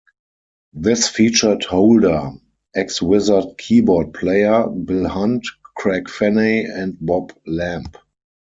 This featured Holder, ex-Wizzard keyboard player, Bill Hunt, Craig Fenney and Bob Lamb.